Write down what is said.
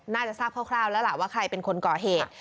น่าจะทราบคร่าวแล้วล่ะว่าใครเป็นคนก่อเหตุ